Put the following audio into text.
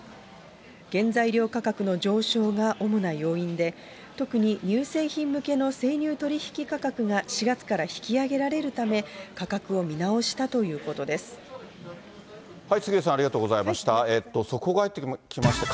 原材料価格の上昇が主な要因で、特に乳製品向けの生乳取り引き価格が４月から引き上げられるため、杉上さん、ありがとうございました。